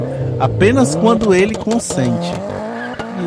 Apenas quando ele consente.